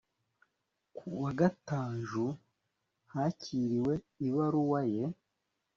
ku wa gatanju hakiriwe ibaruwa ye